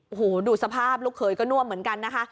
โอ้โหดูสภาพลูกเขยก็น่วมเหมือนกันนะคะ